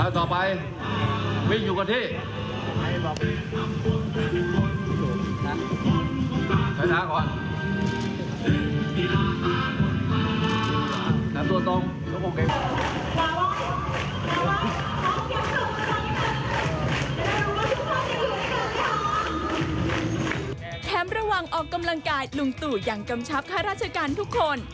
ระหว่างออกกำลังกายลุงตู่ยังกำชับข้าราชการทุกคน